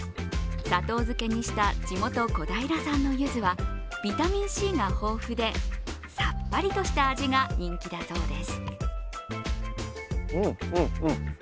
砂糖漬けにした地元・小平産のゆずはビタミンＣが豊富でさっぱりとした味が人気だそうです。